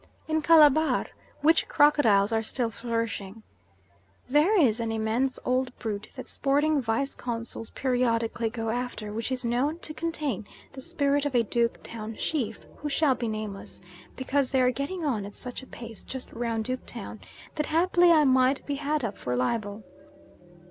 In Calabar witch crocodiles are still flourishing. There is an immense old brute that sporting Vice Consuls periodically go after, which is known to contain the spirit of a Duke Town chief who shall be nameless, because they are getting on at such a pace just round Duke Town that haply I might be had up for libel.